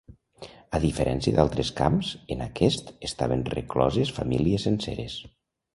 A diferència d'altres camps, en aquest estaven recloses famílies senceres.